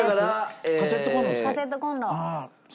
カセットコンロでしょ？